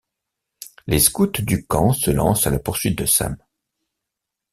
Les scouts du camp se lancent à la poursuite de Sam.